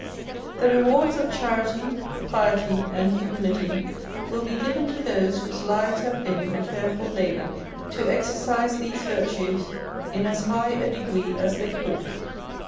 The rewards of charity, piety, and humility, will be given to those whose lives have been a careful labour to exercise these virtues in as high a degree as they could.